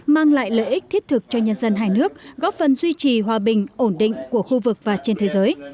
mang lại lợi ích thiết thực cho nhân dân hai nước góp phần duy trì hòa bình ổn định của khu vực và trên thế giới